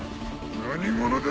何者だ？